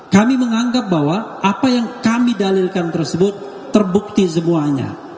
kami menganggap bahwa apa yang kami dalilkan tersebut terbukti semuanya